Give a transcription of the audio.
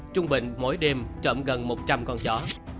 trung bình mỗi đêm trộm gần một trăm linh con chó